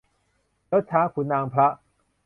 ยศช้างขุนนางพระ